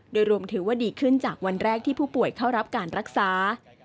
โดยรวมถือว่าดีขึ้นจากวันแรกที่ผู้ป่วยเข้ารับการรักษา